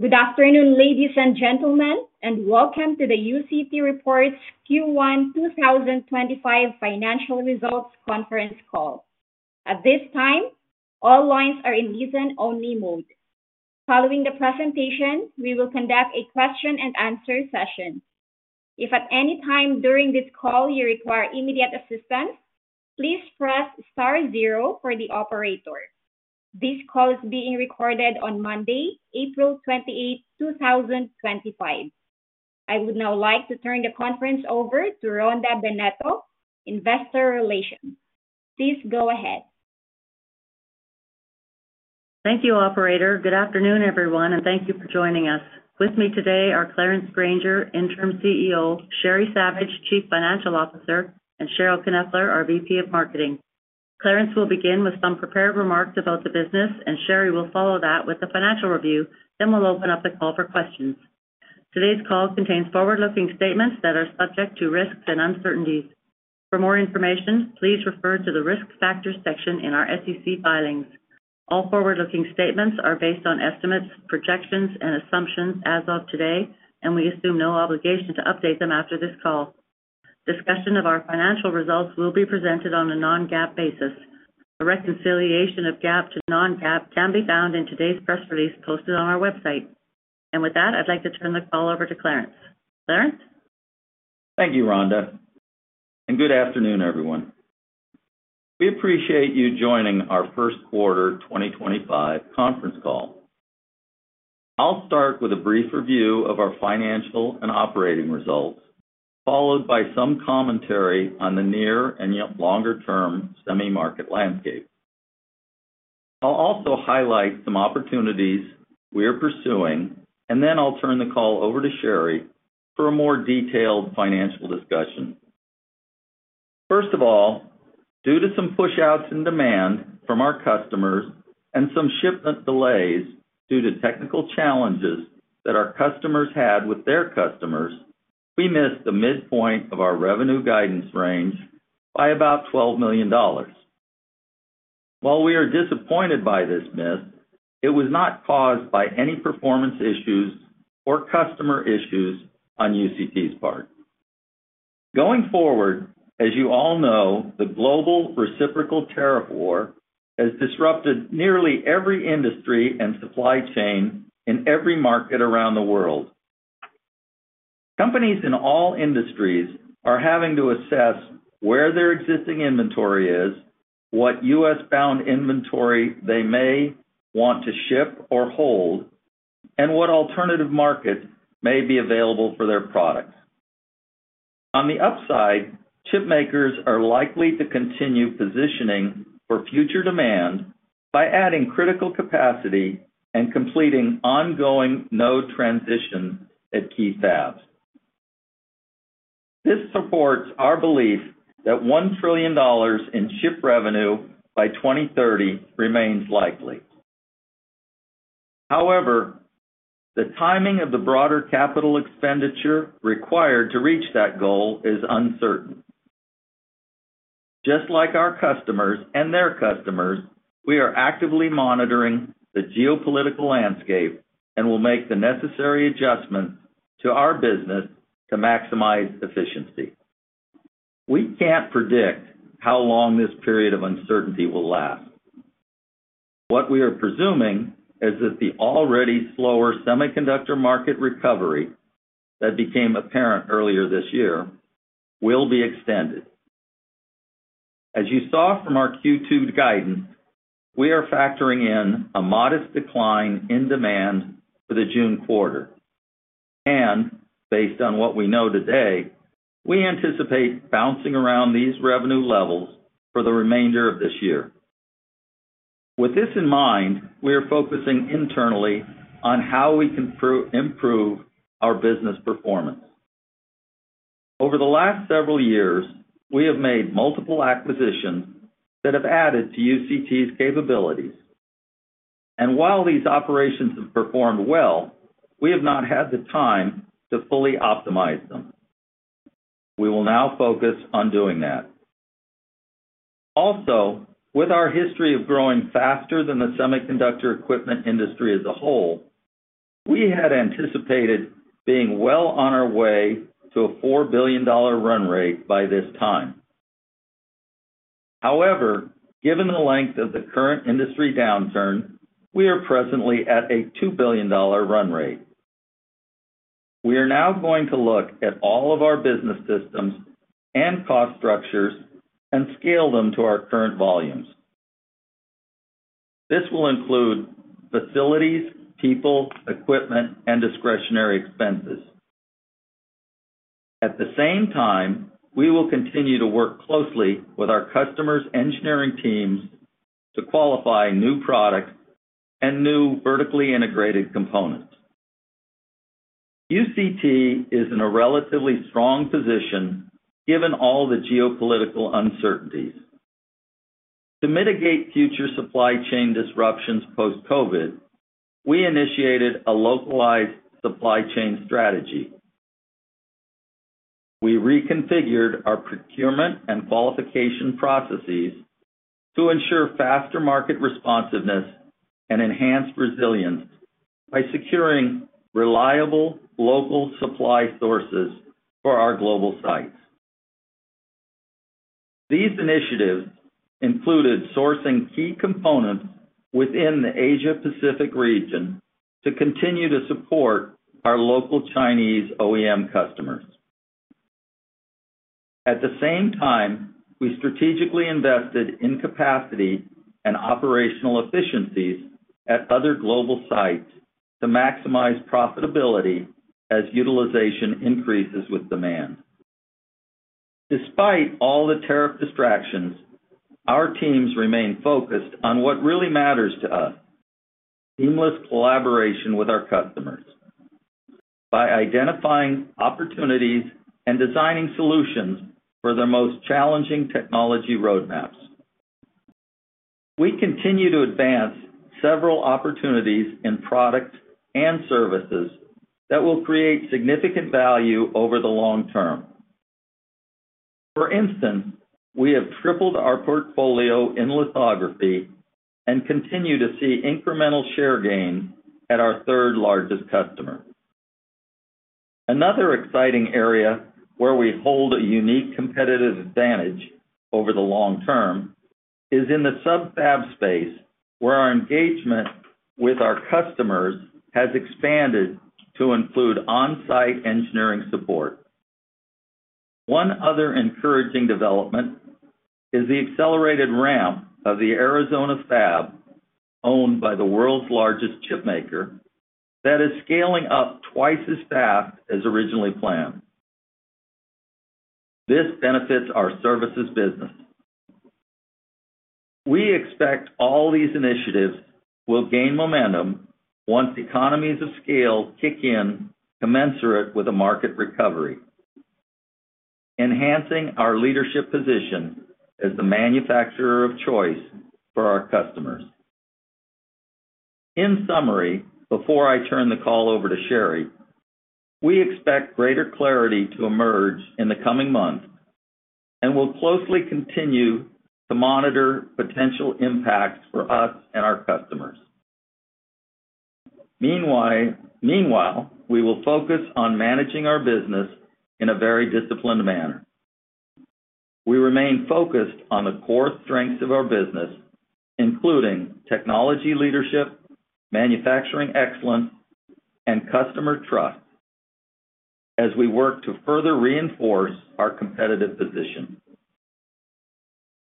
Good afternoon, ladies and gentlemen, and welcome to the UCT Reports Q1 2025 Financial Results Conference Call. At this time, all lines are in listen-only mode. Following the presentation, we will conduct a question-and-answer session. If at any time during this call you require immediate assistance, please press star zero for the operator. This call is being recorded on Monday, April 28, 2025. I would now like to turn the conference over to Rhonda Bennetto, Investor Relations. Please go ahead. Thank you, Operator. Good afternoon, everyone, and thank you for joining us. With me today are Clarence Granger, Interim CEO; Sheri Savage, Chief Financial Officer; and Cheryl Knepfler, our VP of Marketing. Clarence will begin with some prepared remarks about the business, and Sheri will follow that with the financial review. We will open up the call for questions. Today's call contains forward-looking statements that are subject to risks and uncertainties. For more information, please refer to the risk factors section in our SEC filings. All forward-looking statements are based on estimates, projections, and assumptions as of today, and we assume no obligation to update them after this call. Discussion of our financial results will be presented on a non-GAAP basis. A reconciliation of GAAP to non-GAAP can be found in today's press release posted on our website. With that, I'd like to turn the call over to Clarence. Clarence? Thank you, Rhonda. Good afternoon, everyone. We appreciate you joining our first quarter 2025 conference call. I'll start with a brief review of our financial and operating results, followed by some commentary on the near and longer-term semi-market landscape. I'll also highlight some opportunities we are pursuing, and then I'll turn the call over to Sheri for a more detailed financial discussion. First of all, due to some push-outs in demand from our customers and some shipment delays due to technical challenges that our customers had with their customers, we missed the midpoint of our revenue guidance range by about $12 million. While we are disappointed by this miss, it was not caused by any performance issues or customer issues on UCT's part. Going forward, as you all know, the global reciprocal tariff war has disrupted nearly every industry and supply chain in every market around the world. Companies in all industries are having to assess where their existing inventory is, what U.S.-bound inventory they may want to ship or hold, and what alternative markets may be available for their products. On the upside, chipmakers are likely to continue positioning for future demand by adding critical capacity and completing ongoing node transitions at key fabs. This supports our belief that $1 trillion in chip revenue by 2030 remains likely. However, the timing of the broader capital expenditure required to reach that goal is uncertain. Just like our customers and their customers, we are actively monitoring the geopolitical landscape and will make the necessary adjustments to our business to maximize efficiency. We can't predict how long this period of uncertainty will last. What we are presuming is that the already slower semiconductor market recovery that became apparent earlier this year will be extended. As you saw from our Q2 guidance, we are factoring in a modest decline in demand for the June quarter, and based on what we know today, we anticipate bouncing around these revenue levels for the remainder of this year. With this in mind, we are focusing internally on how we can improve our business performance. Over the last several years, we have made multiple acquisitions that have added to UCT's capabilities. While these operations have performed well, we have not had the time to fully optimize them. We will now focus on doing that. Also, with our history of growing faster than the semiconductor equipment industry as a whole, we had anticipated being well on our way to a $4 billion run rate by this time. However, given the length of the current industry downturn, we are presently at a $2 billion run rate. We are now going to look at all of our business systems and cost structures and scale them to our current volumes. This will include facilities, people, equipment, and discretionary expenses. At the same time, we will continue to work closely with our customers' engineering teams to qualify new products and new vertically integrated components. UCT is in a relatively strong position given all the geopolitical uncertainties. To mitigate future supply chain disruptions post-COVID, we initiated a localized supply chain strategy. We reconfigured our procurement and qualification processes to ensure faster market responsiveness and enhanced resilience by securing reliable local supply sources for our global sites. These initiatives included sourcing key components within the Asia-Pacific region to continue to support our local Chinese OEM customers. At the same time, we strategically invested in capacity and operational efficiencies at other global sites to maximize profitability as utilization increases with demand. Despite all the tariff distractions, our teams remain focused on what really matters to us: seamless collaboration with our customers by identifying opportunities and designing solutions for their most challenging technology roadmaps. We continue to advance several opportunities in products and services that will create significant value over the long term. For instance, we have tripled our portfolio in lithography and continue to see incremental share gain at our third-largest customer. Another exciting area where we hold a unique competitive advantage over the long term is in the sub-fab space, where our engagement with our customers has expanded to include on-site engineering support. One other encouraging development is the accelerated ramp of the Arizona fab owned by the world's largest chipmaker that is scaling up twice as fast as originally planned. This benefits our services business. We expect all these initiatives will gain momentum once economies of scale kick in commensurate with a market recovery, enhancing our leadership position as the manufacturer of choice for our customers. In summary, before I turn the call over to Sheri, we expect greater clarity to emerge in the coming months and will closely continue to monitor potential impacts for us and our customers. Meanwhile, we will focus on managing our business in a very disciplined manner. We remain focused on the core strengths of our business, including technology leadership, manufacturing excellence, and customer trust, as we work to further reinforce our competitive position.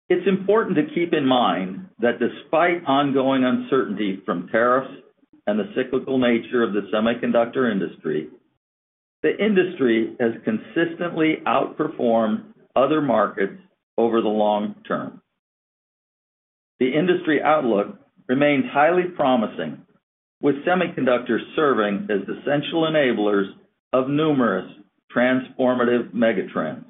It's important to keep in mind that despite ongoing uncertainty from tariffs and the cyclical nature of the semiconductor industry, the industry has consistently outperformed other markets over the long term. The industry outlook remains highly promising, with semiconductors serving as essential enablers of numerous transformative megatrends.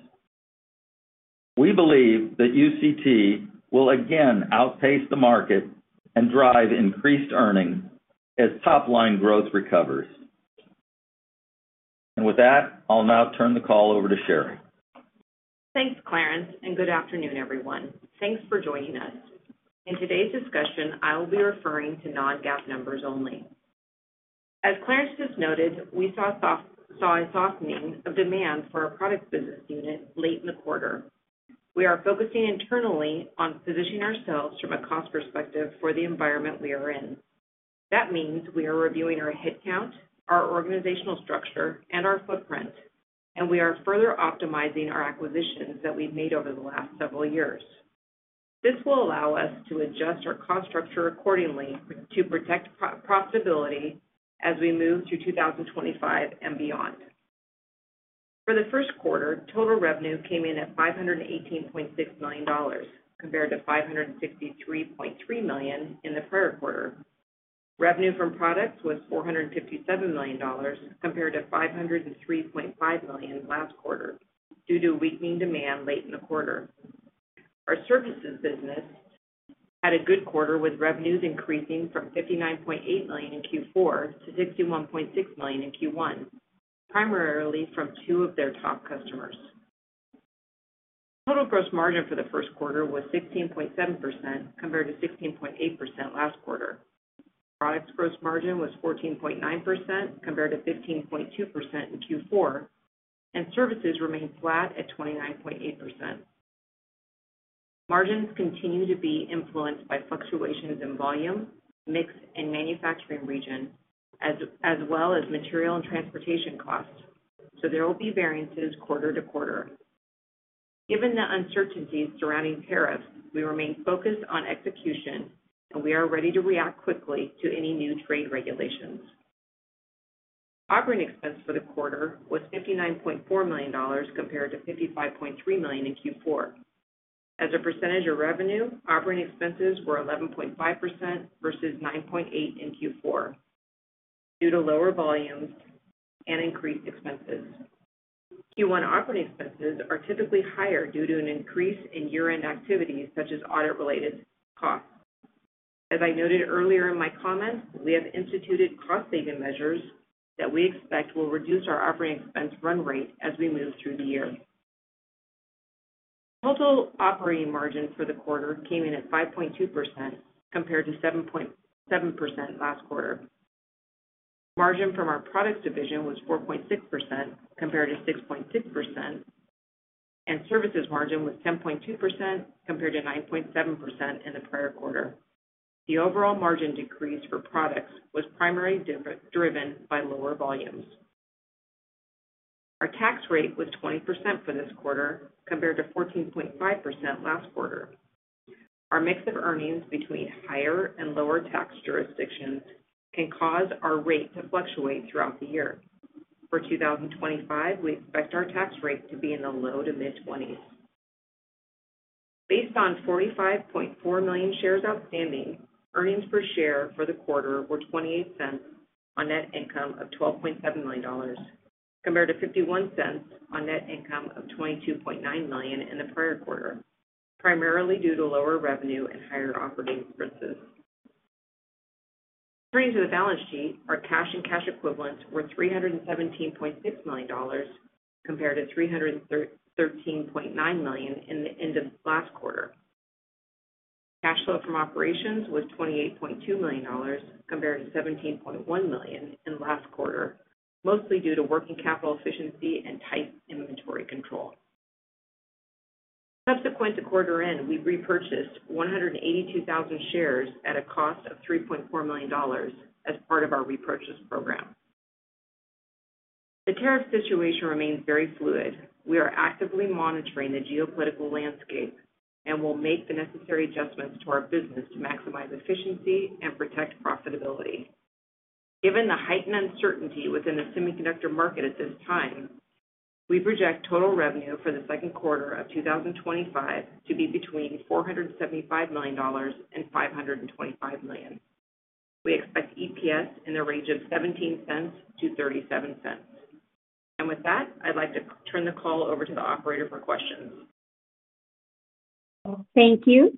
We believe that UCT will again outpace the market and drive increased earnings as top-line growth recovers. With that, I'll now turn the call over to Sheri. Thanks, Clarence, and good afternoon, everyone. Thanks for joining us. In today's discussion, I will be referring to non-GAAP numbers only. As Clarence has noted, we saw a softening of demand for our product business unit late in the quarter. We are focusing internally on positioning ourselves from a cost perspective for the environment we are in. That means we are reviewing our headcount, our organizational structure, and our footprint, and we are further optimizing our acquisitions that we've made over the last several years. This will allow us to adjust our cost structure accordingly to protect profitability as we move through 2025 and beyond. For the first quarter, total revenue came in at $518.6 million compared to $563.3 million in the prior quarter. Revenue from products was $457 million compared to $503.5 million last quarter due to weakening demand late in the quarter. Our services business had a good quarter with revenues increasing from $59.8 million in Q4 to $61.6 million in Q1, primarily from two of their top customers. Total gross margin for the first quarter was 16.7% compared to 16.8% last quarter. Products gross margin was 14.9% compared to 15.2% in Q4, and services remained flat at 29.8%. Margins continue to be influenced by fluctuations in volume, mix, and manufacturing region, as well as material and transportation costs, so there will be variances quarter-to-quarter. Given the uncertainties surrounding tariffs, we remain focused on execution, and we are ready to react quickly to any new trade regulations. Operating expense for the quarter was $59.4 million compared to $55.3 million in Q4. As a percentage of revenue, operating expenses were 11.5% versus 9.8% in Q4 due to lower volumes and increased expenses. Q1 operating expenses are typically higher due to an increase in year-end activities such as audit-related costs. As I noted earlier in my comments, we have instituted cost-saving measures that we expect will reduce our operating expense run rate as we move through the year. Total operating margin for the quarter came in at 5.2% compared to 7.7% last quarter. Margin from our products division was 4.6% compared to 6.6%, and services margin was 10.2% compared to 9.7% in the prior quarter. The overall margin decrease for products was primarily driven by lower volumes. Our tax rate was 20% for this quarter compared to 14.5% last quarter. Our mix of earnings between higher and lower tax jurisdictions can cause our rate to fluctuate throughout the year. For 2025, we expect our tax rate to be in the low to mid-20s. Based on 45.4 million shares outstanding, earnings per share for the quarter were $0.28 on net income of $12.7 million compared to $0.51 on net income of $22.9 million in the prior quarter, primarily due to lower revenue and higher operating expenses. Turning to the balance sheet, our cash and cash equivalents were $317.6 million compared to $313.9 million at the end of last quarter. Cash flow from operations was $28.2 million compared to $17.1 million in last quarter, mostly due to working capital efficiency and tight inventory control. Subsequent to quarter end, we repurchased 182,000 shares at a cost of $3.4 million as part of our repurchase program. The tariff situation remains very fluid. We are actively monitoring the geopolitical landscape and will make the necessary adjustments to our business to maximize efficiency and protect profitability. Given the heightened uncertainty within the semiconductor market at this time, we project total revenue for the second quarter of 2025 to be between $475 million and $525 million. We expect EPS in the range of $0.17-$0.37. With that, I'd like to turn the call over to the operator for questions. Thank you.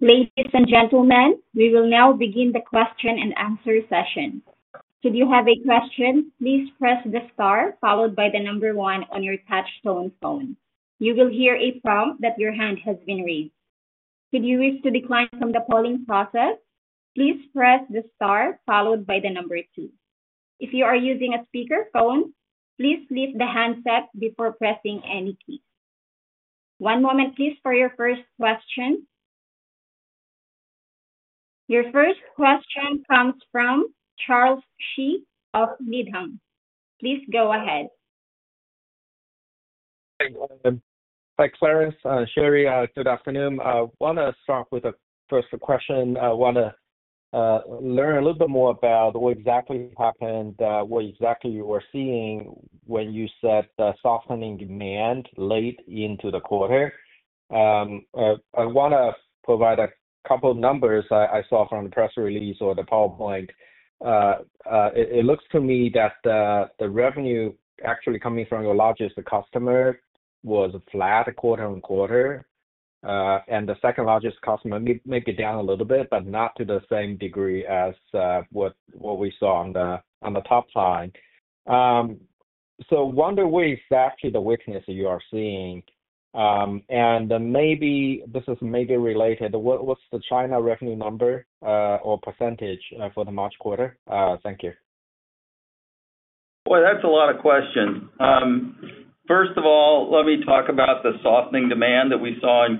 Ladies and gentlemen, we will now begin the question and answer session. Should you have a question, please press the star followed by the number one on your touch-tone phone. You will hear a prompt that your hand has been raised. Should you wish to decline from the polling process, please press the star followed by the number two. If you are using a speakerphone, please lift the handset before pressing any keys. One moment, please, for your first question. Your first question comes from Charles Shi of Needham. Please go ahead. Hi, Clarence, Sheri, good afternoon. I want to start with a first question. I want to learn a little bit more about what exactly happened, what exactly you were seeing when you said the softening demand late into the quarter. I want to provide a couple of numbers I saw from the press release or the PowerPoint. It looks to me that the revenue actually coming from your largest customer was flat quarter-on-quarter, and the second largest customer may be down a little bit, but not to the same degree as what we saw on the top line. I wonder what exactly the weakness you are seeing, and maybe this is maybe related. What's the China revenue number or percentage for the March quarter? Thank you. Boy, that's a lot of questions. First of all, let me talk about the softening demand that we saw in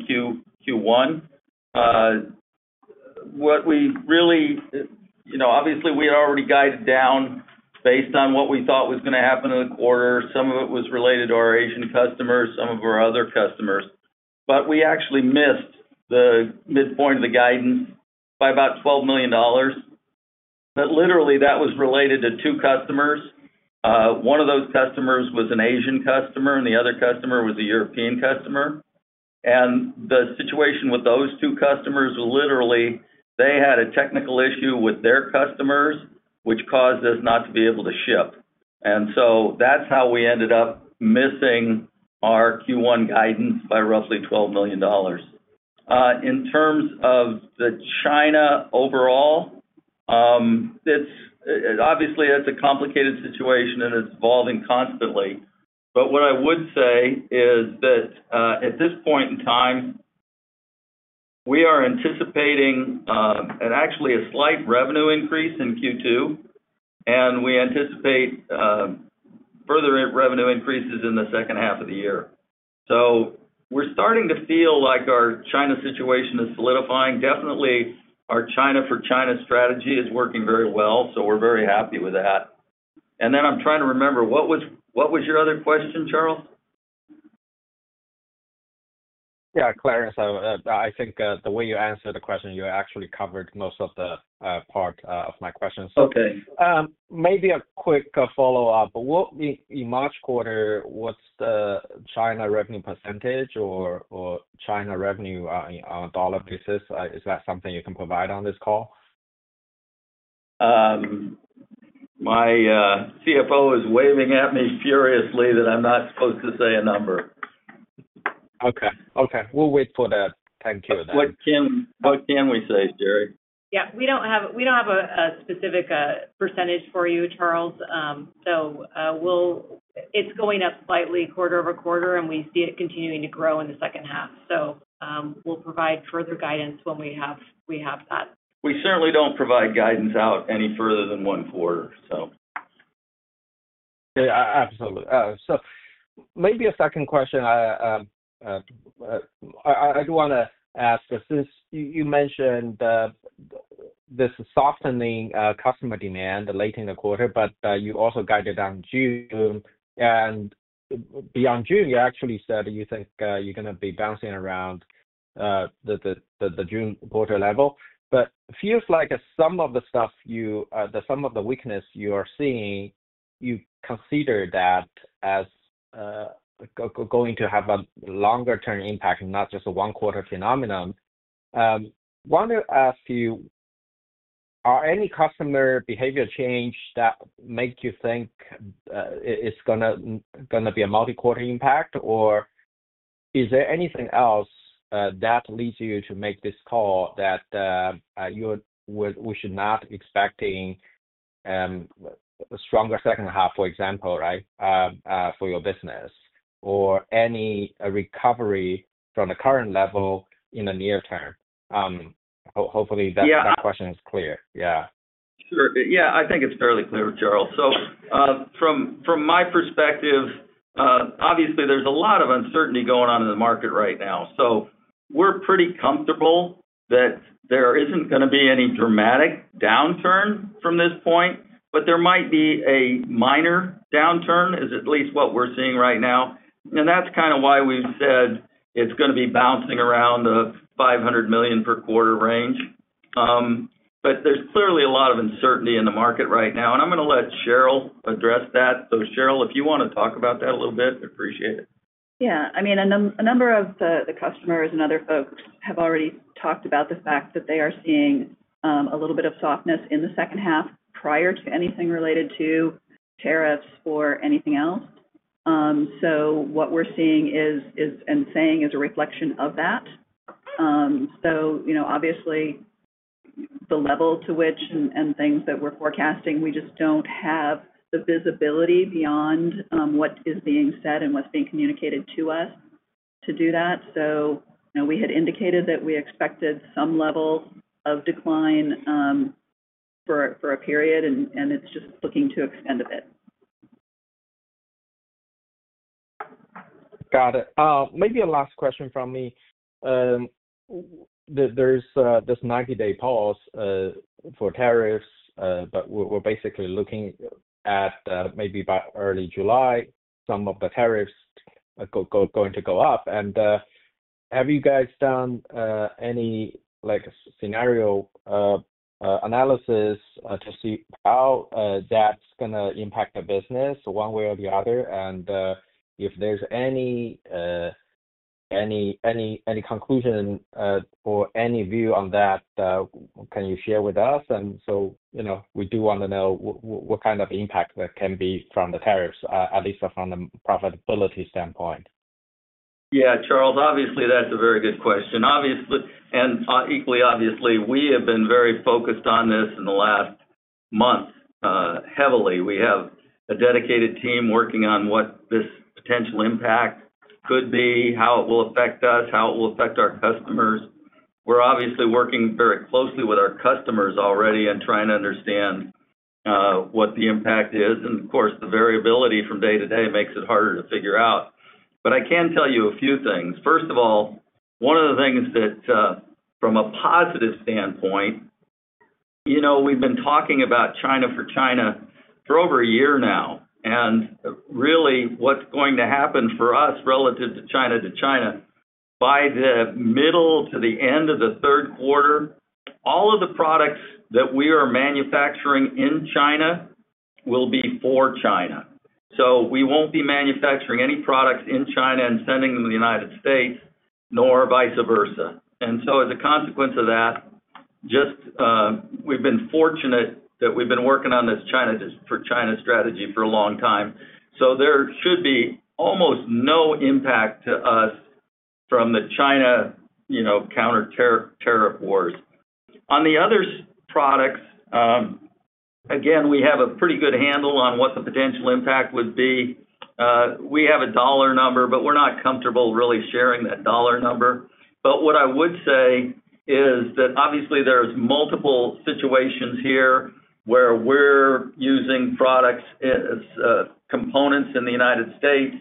Q1. What we really, obviously, we had already guided down based on what we thought was going to happen in the quarter. Some of it was related to our Asian customers, some of our other customers, but we actually missed the midpoint of the guidance by about $12 million. But literally, that was related to two customers. One of those customers was an Asian customer, and the other customer was a European customer. The situation with those two customers was they had a technical issue with their customers, which caused us not to be able to ship, and so, that is how we ended up missing our Q1 guidance by roughly $12 million. In terms of the China overall, obviously, that's a complicated situation, and it's evolving constantly. What I would say is that at this point in time, we are anticipating actually a slight revenue increase in Q2, and we anticipate further revenue increases in the second half of the year. We are starting to feel like our China situation is solidifying. Definitely, our China for China strategy is working very well, so we are very happy with that. I am trying to remember, what was your other question, Charles? Yeah, Clarence, I think the way you answered the question, you actually covered most of the part of my question. Okay. Maybe a quick follow-up. In March quarter, what's the China revenue percentage or China revenue on a dollar basis? Is that something you can provide on this call? My CFO is waving at me furiously that I'm not supposed to say a number. Okay. Okay. We'll wait for that. Thank you. What can we say, Sheri? Yeah. We don't have a specific percentage for you, Charles. It's going up slightly quarter-over-quarter, and we see it continuing to grow in the second half. We'll provide further guidance when we have that. We certainly don't provide guidance out any further than one quarter. Okay. Absolutely. Maybe a second question I do want to ask is this: you mentioned this softening customer demand late in the quarter, but you also guided on June. Beyond June, you actually said you think you're going to be bouncing around the June quarter level. It feels like some of the stuff, some of the weakness you are seeing, you consider that as going to have a longer-term impact, not just a one-quarter phenomenon. I want to ask you, are any customer behavior change that makes you think it's going to be a multi-quarter impact, or is there anything else that leads you to make this call that we should not be expecting a stronger second half, for example, for your business, or any recovery from the current level in the near term? Hopefully, that question is clear. Yeah. Sure. Yeah. I think it's fairly clear, Charles. From my perspective, obviously, there's a lot of uncertainty going on in the market right now. We're pretty comfortable that there isn't going to be any dramatic downturn from this point, but there might be a minor downturn is at least what we're seeing right now. That's kind of why we've said it's going to be bouncing around the $500 million per quarter range. There's clearly a lot of uncertainty in the market right now. I'm going to let Cheryl address that. Cheryl, if you want to talk about that a little bit, I'd appreciate it. Yeah. I mean, a number of the customers and other folks have already talked about the fact that they are seeing a little bit of softness in the second half prior to anything related to tariffs or anything else. What we're seeing and saying is a reflection of that. Obviously, the level to which and things that we're forecasting, we just do not have the visibility beyond what is being said and what's being communicated to us to do that. We had indicated that we expected some level of decline for a period, and it's just looking to extend a bit. Got it. Maybe a last question from me. There's this 90-day pause for tariffs, but we're basically looking at maybe by early July, some of the tariffs going to go up. Have you guys done any scenario analysis to see how that's going to impact the business one way or the other? If there's any conclusion or any view on that, can you share with us? We do want to know what kind of impact that can be from the tariffs, at least from the profitability standpoint. Yeah, Charles. Obviously, that's a very good question. Equally obviously, we have been very focused on this in the last month heavily. We have a dedicated team working on what this potential impact could be, how it will affect us, how it will affect our customers. We're obviously working very closely with our customers already and trying to understand what the impact is, and of course, the variability from day to day makes it harder to figure out, but I can tell you a few things. First of all, one of the things that from a positive standpoint, we've been talking about China for China for over a year now. Really, what's going to happen for us relative to China for China, by the middle to the end of the third quarter, all of the products that we are manufacturing in China will be for China. We will not be manufacturing any products in China and sending them to the United States, nor vice versa. As a consequence of that, we have been fortunate that we have been working on this China for China strategy for a long time. There should be almost no impact to us from the China counter tariff wars. On the other products, again, we have a pretty good handle on what the potential impact would be. We have a dollar number, but we are not comfortable really sharing that dollar number. What I would say is that obviously, there are multiple situations here where we are using products, components in the United States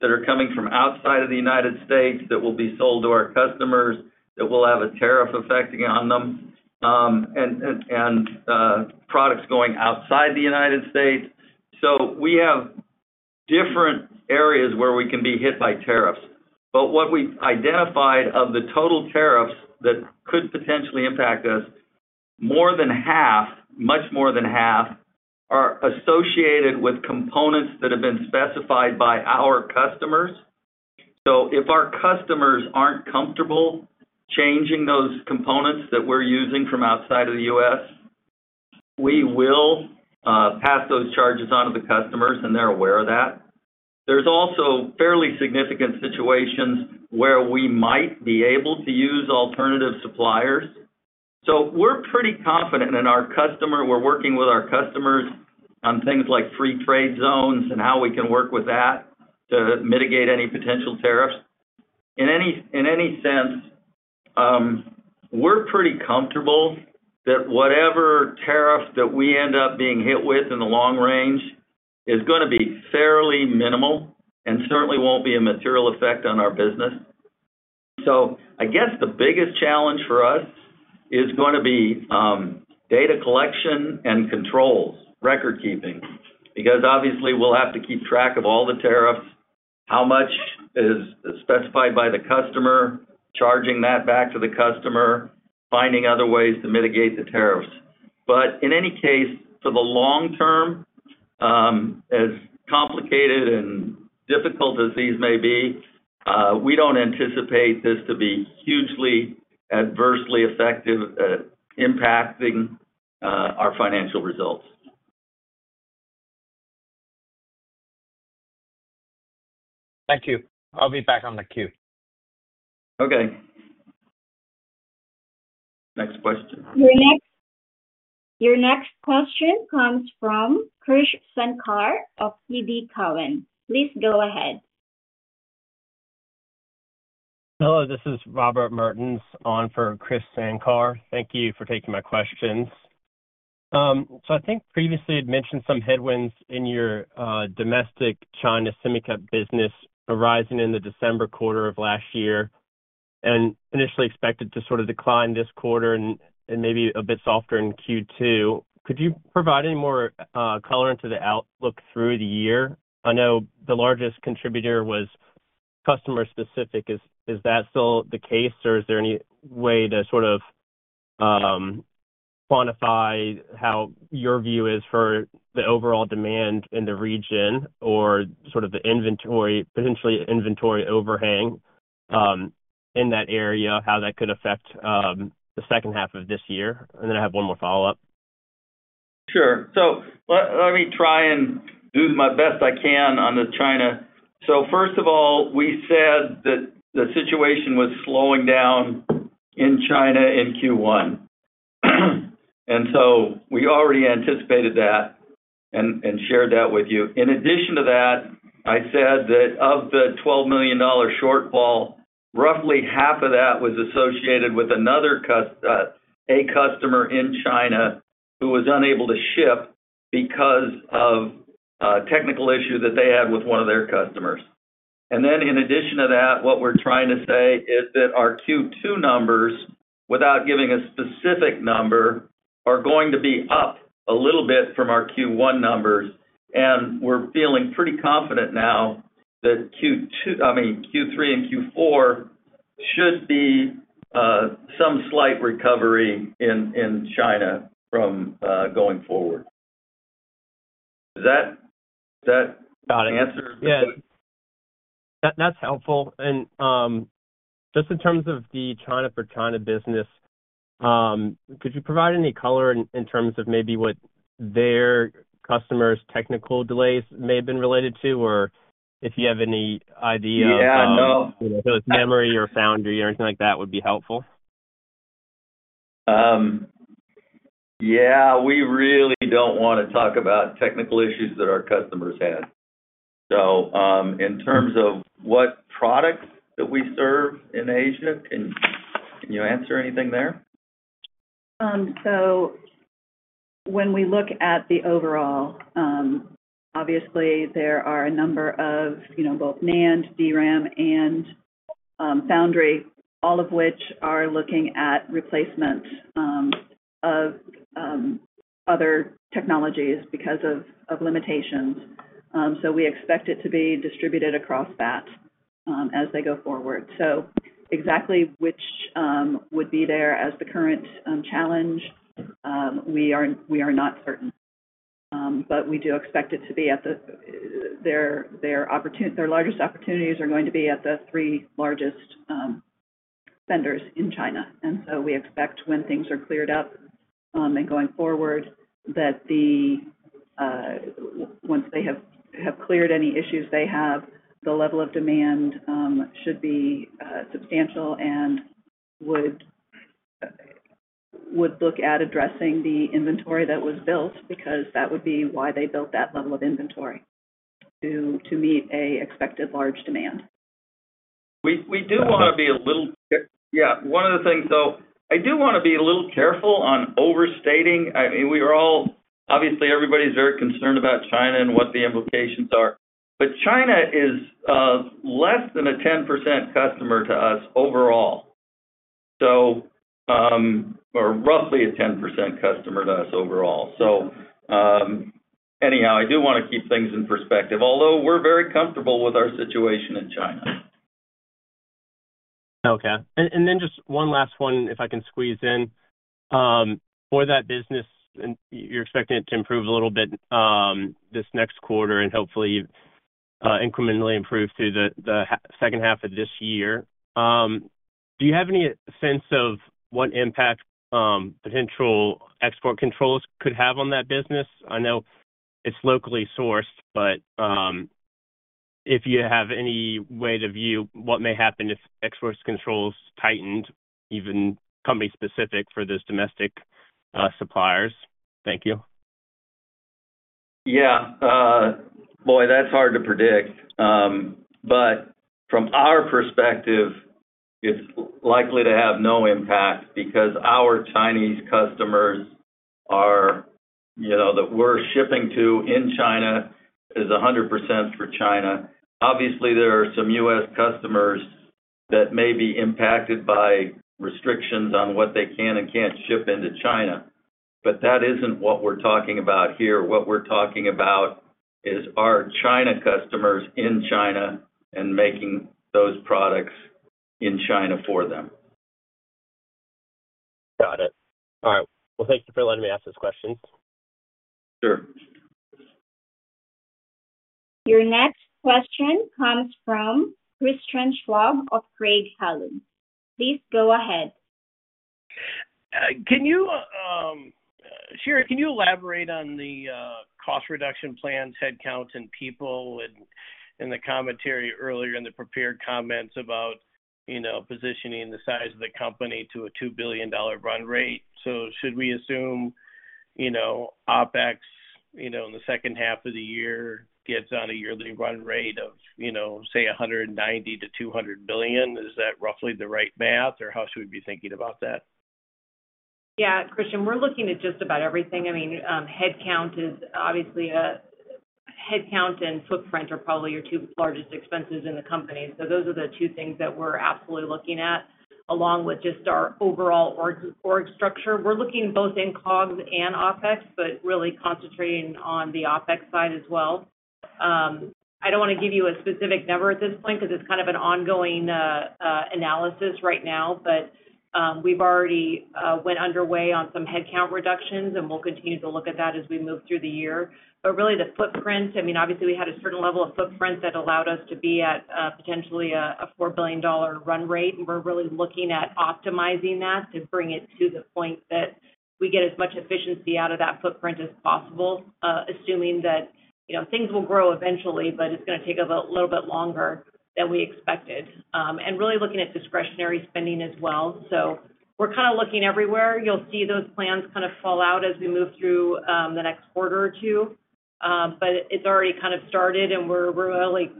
that are coming from outside of the United States that will be sold to our customers that will have a tariff effect on them and products going outside the United States. We have different areas where we can be hit by tariffs. What we've identified of the total tariffs that could potentially impact us, more than half, much more than half, are associated with components that have been specified by our customers. If our customers aren't comfortable changing those components that we're using from outside of the U.S., we will pass those charges on to the customers, and they're aware of that. There's also fairly significant situations where we might be able to use alternative suppliers. We're pretty confident in our customer. We're working with our customers on things like free trade zones and how we can work with that to mitigate any potential tariffs. In any sense, we're pretty comfortable that whatever tariff that we end up being hit with in the long range is going to be fairly minimal and certainly won't be a material effect on our business. I guess the biggest challenge for us is going to be data collection and controls, record keeping, because obviously, we'll have to keep track of all the tariffs, how much is specified by the customer, charging that back to the customer, finding other ways to mitigate the tariffs. In any case, for the long term, as complicated and difficult as these may be, we don't anticipate this to be hugely adversely effective, impacting our financial results. Thank you. I'll be back on the queue. Okay. Next question. Your next question comes from Krish Sankar of TD Cowen. Please go ahead. Hello. This is Robert Mertens on for Krish Sankar. Thank you for taking my questions. I think previously had mentioned some headwinds in your domestic China semiconductor business arising in the December quarter of last year and initially expected to sort of decline this quarter and maybe a bit softer in Q2. Could you provide any more color into the outlook through the year? I know the largest contributor was customer-specific. Is that still the case, or is there any way to sort of quantify how your view is for the overall demand in the region or sort of the potentially inventory overhang in that area, how that could affect the second half of this year? I have one more follow-up. Sure. Let me try and do my best I can on the China. First of all, we said that the situation was slowing down in China in Q1. We already anticipated that and shared that with you. In addition to that, I said that of the $12 million shortfall, roughly half of that was associated with a customer in China who was unable to ship because of a technical issue that they had with one of their customers. In addition to that, what we're trying to say is that our Q2 numbers, without giving a specific number, are going to be up a little bit from our Q1 numbers, and we're feeling pretty confident now that, I mean, Q3 and Q4 should be some slight recovery in China going forward. Does that answer? Got it. Yeah. That's helpful. Just in terms of the China for China business, could you provide any color in terms of maybe what their customers' technical delays may have been related to, or if you have any idea of. Yeah. No. Those memory or foundry or anything like that would be helpful. Yeah. We really do not want to talk about technical issues that our customers had. In terms of what products that we serve in Asia, can you answer anything there? When we look at the overall, obviously, there are a number of both NAND, DRAM, and foundry, all of which are looking at replacements of other technologies because of limitations. We expect it to be distributed across that as they go forward. Exactly which would be there as the current challenge, we are not certain. We do expect it to be at their largest opportunities are going to be at the three largest vendors in China. We expect when things are cleared up and going forward that once they have cleared any issues they have, the level of demand should be substantial and would look at addressing the inventory that was built because that would be why they built that level of inventory to meet an expected large demand. We do want to be a little—yeah. One of the things though, I do want to be a little careful on overstating—I mean, obviously, everybody's very concerned about China and what the implications are. China is less than a 10% customer to us overall, or roughly a 10% customer to us overall. Anyhow, I do want to keep things in perspective, although we're very comfortable with our situation in China. Okay. And then just one last one, if I can squeeze in. For that business, you're expecting it to improve a little bit this next quarter and hopefully incrementally improve through the second half of this year. Do you have any sense of what impact potential export controls could have on that business? I know it's locally sourced, but if you have any way to view what may happen if export controls tightened, even company-specific for those domestic suppliers? Thank you. Yeah. Boy, that's hard to predict. From our perspective, it's likely to have no impact because our Chinese customers that we're shipping to in China is 100% for China. Obviously, there are some U.S. customers that may be impacted by restrictions on what they can and can't ship into China, but that isn't what we're talking about here. What we're talking about is our China customers in China and making those products in China for them. Got it. All right. Thank you for letting me ask those questions. Sure. Your next question comes from Christian Schwab of Craig-Hallum. Please go ahead. Sheri, can you elaborate on the cost reduction plans, headcount, and people in the commentary earlier in the prepared comments about positioning the size of the company to a $2 billion run rate? Should we assume OPEX in the second half of the year gets on a yearly run rate of, say, $190 million to $200 million? Is that roughly the right math, or how should we be thinking about that? Yeah. Christian, we're looking at just about everything. I mean, headcount is obviously a headcount and footprint are probably your two largest expenses in the company. Those are the two things that we're absolutely looking at, along with just our overall org structure. We're looking both in COGS and OPEX, but really concentrating on the OPEX side as well. I don't want to give you a specific number at this point because it's kind of an ongoing analysis right now. We've already went underway on some headcount reductions, and we'll continue to look at that as we move through the year. Really, the footprint, I mean, obviously, we had a certain level of footprint that allowed us to be at potentially a $4 billion run rate. We are really looking at optimizing that to bring it to the point that we get as much efficiency out of that footprint as possible, assuming that things will grow eventually, but it is going to take a little bit longer than we expected. We are really looking at discretionary spending as well. We are kind of looking everywhere. You will see those plans kind of fall out as we move through the next quarter or two. It has already kind of started, and we are really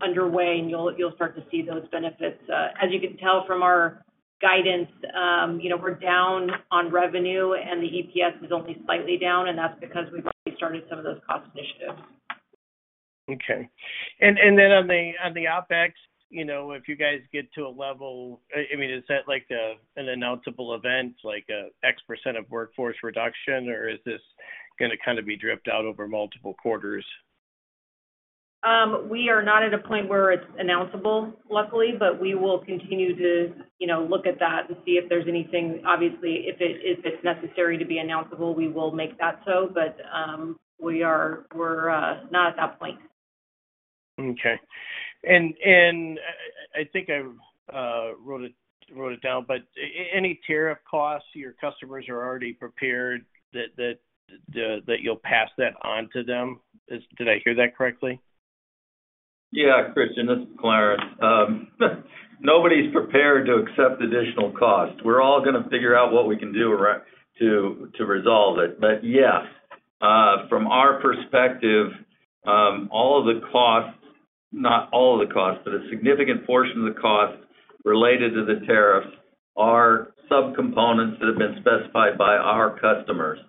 underway, and you will start to see those benefits. As you can tell from our guidance, we are down on revenue, and the EPS is only slightly down, and that is because we have already started some of those cost initiatives. Okay. And then on the OPEX, if you guys get to a level, I mean, is that an announceable event, like an X% of workforce reduction, or is this going to kind of be dripped out over multiple quarters? We are not at a point where it's announceable, luckily, but we will continue to look at that and see if there's anything. Obviously, if it's necessary to be announceable, we will make that so. We are not at that point. Okay. I think I wrote it down, but any tariff costs your customers are already prepared that you'll pass that on to them? Did I hear that correctly? Yeah. Christian, this is Clarence. Nobody's prepared to accept additional costs. We're all going to figure out what we can do to resolve it, but yeah, from our perspective, all of the costs—not all of the costs, but a significant portion of the costs related to the tariffs—are subcomponents that have been specified by our customers.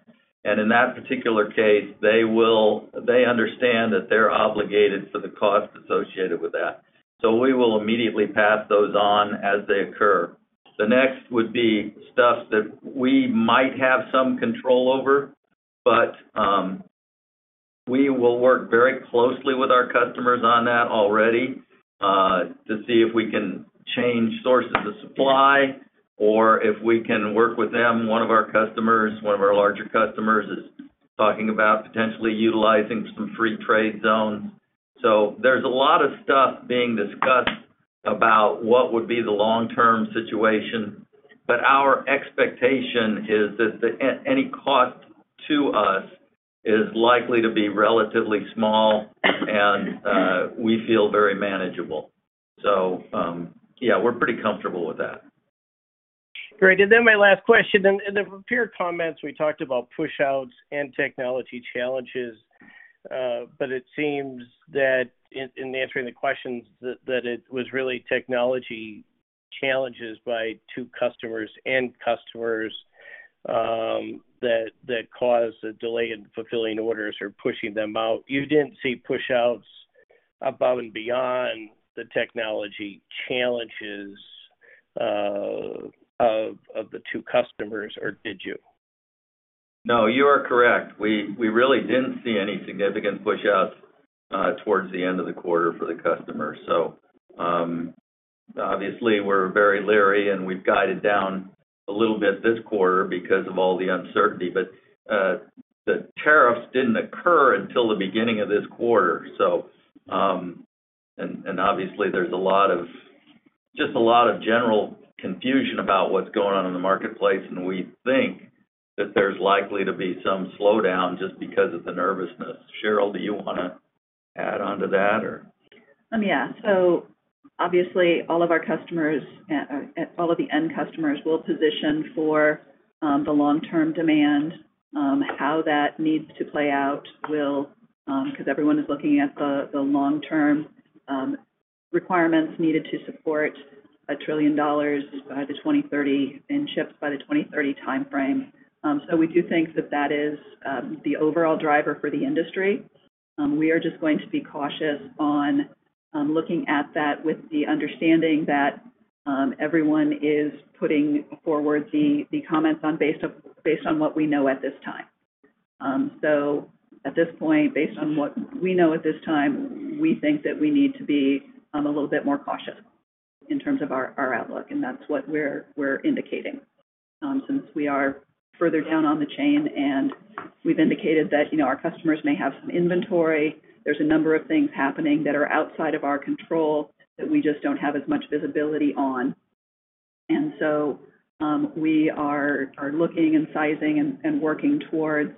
In that particular case, they understand that they're obligated for the cost associated with that. We will immediately pass those on as they occur. The next would be stuff that we might have some control over, but we will work very closely with our customers on that already to see if we can change sources of supply or if we can work with them. One of our customers, one of our larger customers, is talking about potentially utilizing some free trade zones. There is a lot of stuff being discussed about what would be the long-term situation. Our expectation is that any cost to us is likely to be relatively small, and we feel very manageable. Yeah, we are pretty comfortable with that. Great. My last question. In the prepared comments, we talked about push-outs and technology challenges. It seems that in answering the questions, it was really technology challenges by two customers and customers that caused the delay in fulfilling orders or pushing them out. You did not see push-outs above and beyond the technology challenges of the two customers, or did you? No, you are correct. We really did not see any significant push-outs towards the end of the quarter for the customers. Obviously, we are very leery, and we have guided down a little bit this quarter because of all the uncertainty. The tariffs did not occur until the beginning of this quarter. Obviously, there is just a lot of general confusion about what is going on in the marketplace. We think that there is likely to be some slowdown just because of the nervousness. Cheryl, do you want to add on to that, or? Yeah. Obviously, all of our customers—all of the end customers—will position for the long-term demand. How that needs to play out will, because everyone is looking at the long-term requirements needed to support a trillion dollars by 2030 and shipped by the 2030 timeframe. We do think that that is the overall driver for the industry. We are just going to be cautious on looking at that with the understanding that everyone is putting forward the comments based on what we know at this time. At this point, based on what we know at this time, we think that we need to be a little bit more cautious in terms of our outlook. That's what we're indicating since we are further down on the chain. We've indicated that our customers may have some inventory. There's a number of things happening that are outside of our control that we just do not have as much visibility on. We are looking and sizing and working towards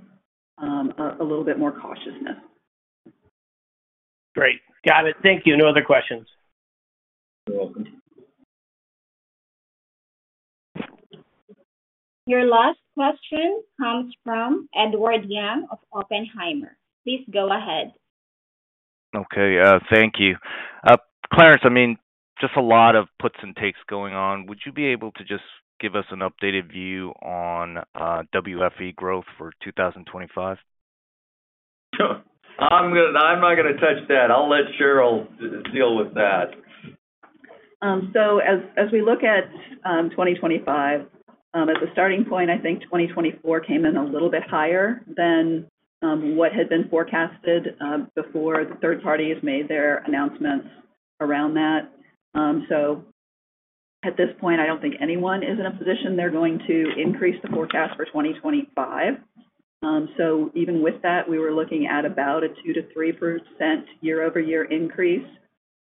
a little bit more cautiousness. Great. Got it. Thank you. No other questions. You're welcome. Your last question comes from Edward Yang of Oppenheimer. Please go ahead. Okay. Thank you. Clarence, I mean, just a lot of puts and takes going on. Would you be able to just give us an updated view on WFE growth for 2025? I'm not going to touch that. I'll let Cheryl deal with that. As we look at 2025, as a starting point, I think 2024 came in a little bit higher than what had been forecasted before the third parties made their announcements around that. At this point, I do not think anyone is in a position they are going to increase the forecast for 2025. Even with that, we were looking at about a 2-3% year-over-year increase.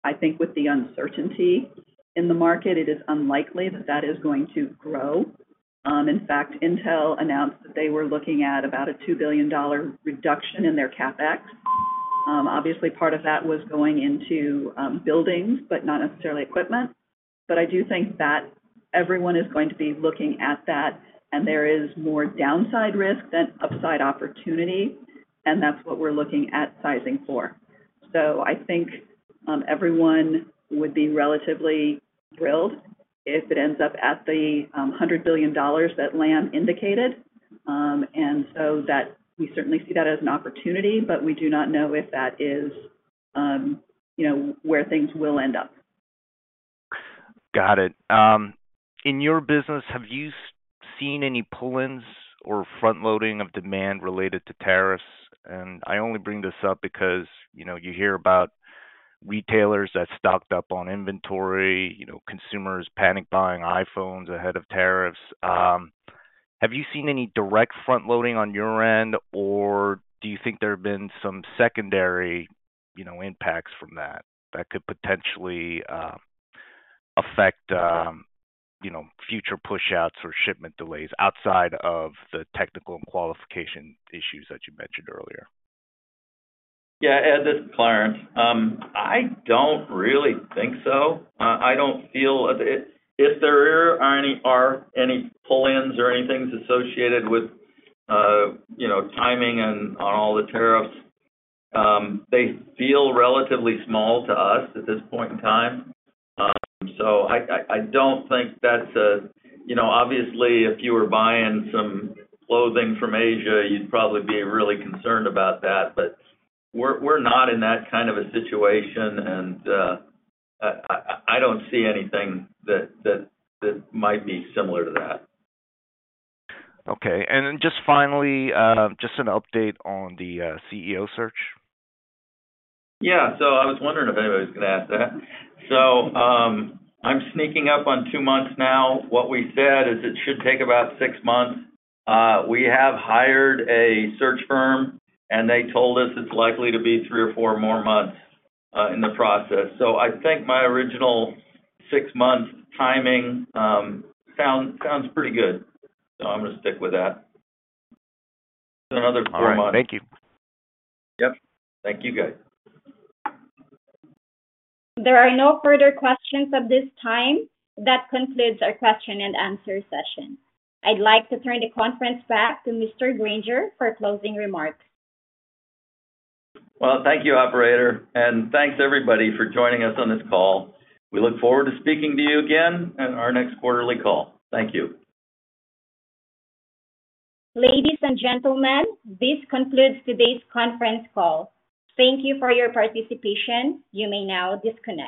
I think with the uncertainty in the market, it is unlikely that is going to grow. In fact, Intel announced that they were looking at about a $2 billion reduction in their CapEx. Obviously, part of that was going into buildings, but not necessarily equipment. I do think that everyone is going to be looking at that, and there is more downside risk than upside opportunity. That is what we are looking at sizing for. I think everyone would be relatively thrilled if it ends up at the $100 billion that Lam indicated. We certainly see that as an opportunity, but we do not know if that is where things will end up. Got it. In your business, have you seen any pull-ins or front-loading of demand related to tariffs? I only bring this up because you hear about retailers that stocked up on inventory, consumers panic-buying iPhones ahead of tariffs. Have you seen any direct front-loading on your end, or do you think there have been some secondary impacts from that that could potentially affect future push-outs or shipment delays outside of the technical and qualification issues that you mentioned earlier? Yeah. Ed, this is Clarence. I don't really think so. I don't feel if there are any pull-ins or anything associated with timing on all the tariffs, they feel relatively small to us at this point in time. I don't think that's a—obviously, if you were buying some clothing from Asia, you'd probably be really concerned about that. We're not in that kind of a situation, and I don't see anything that might be similar to that. Okay. Finally, just an update on the CEO search. Yeah. I was wondering if anybody was going to ask that. I'm sneaking up on two months now. What we said is it should take about six months. We have hired a search firm, and they told us it's likely to be three or four more months in the process. I think my original six-month timing sounds pretty good. I'm going to stick with that. That's another three months. All right. Thank you. Yep. Thank you guys. There are no further questions at this time. That concludes our question-and-answer session. I'd like to turn the conference back to Mr. Granger for closing remarks. Thank you, operator. Thank you, everybody, for joining us on this call. We look forward to speaking to you again at our next quarterly call. Thank you. Ladies and gentlemen, this concludes today's conference call. Thank you for your participation. You may now disconnect.